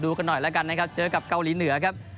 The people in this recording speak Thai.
กันหน่อยแล้วกันนะครับเจอกับเกาหลีเหนือครับ